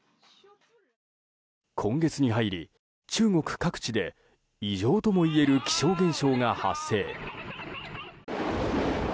今月に入り、中国各地で異常ともいえる気象現象が発生。